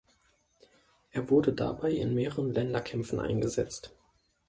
Er wurde dabei in mehreren Länderkämpfen eingesetzt.